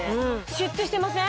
シュッとしてません？